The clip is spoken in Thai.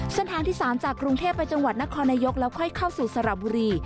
เส้นทางที่๓จากกรุงเทพไปจังหวัดนครนายกแล้วค่อยเข้าสู่สระบุรี